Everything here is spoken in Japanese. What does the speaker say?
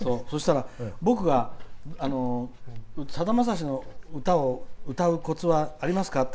そしたら僕はさだまさしの歌を歌うコツはありますか？